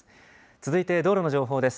続いて道路の情報です。